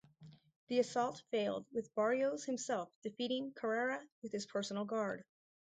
The assault failed with Barrios himself defeating Carrera with his personal guard.